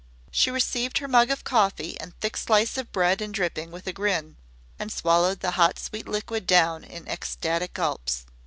She received her mug of coffee and thick slice of bread and dripping with a grin, and swallowed the hot sweet liquid down in ecstatic gulps.